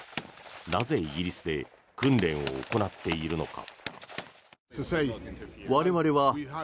なぜ、イギリスで訓練を行っているのか。